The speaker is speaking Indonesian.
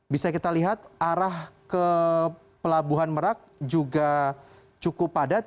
bisa kita lihat arah ke pelabuhan merak juga cukup padat